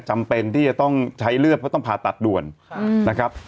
จำเป็นที่จะต้องใช้เลือดเพราะต้องผ่าตัดด่วนนะครับ